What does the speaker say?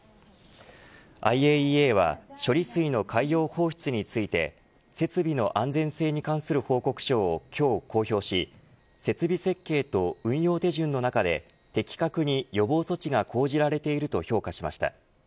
ＩＡＥＡは処理水の海洋放出について設備の安全性に関する報告書を今日、公表し設備設計と運用手順の中で的確に予防措置が講じられていると評価しました。